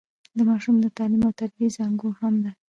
د ماشوم د تعليم او تربيې زانګو هم ده.